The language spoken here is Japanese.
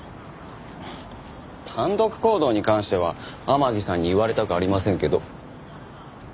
単独行動に関しては天樹さんに言われたくありませんけど。